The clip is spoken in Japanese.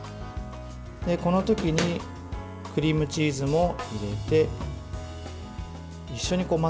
この時にクリームチーズも入れて一緒に混ぜる感じですね。